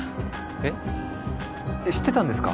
えっ知ってたんですか？